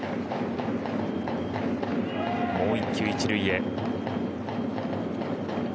もう１球、１塁へ。